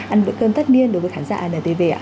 ăn bữa cơm tất niên đối với khán giả antv ạ